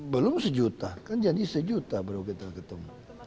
belum sejuta kan jadi sejuta baru kita ketemu